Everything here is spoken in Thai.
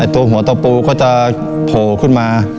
ตัวหัวตะปูก็จะโผล่ขึ้นมา